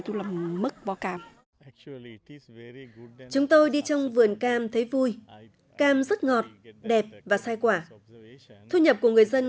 tôi làm mứt vỏ cam chúng tôi đi trong vườn cam thấy vui cam rất ngọt đẹp và sai quả thu nhập của người dân